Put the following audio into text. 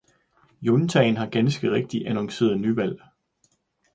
Juntaen har ganske rigtigt annonceret nyvalg.